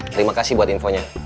terima kasih buat infonya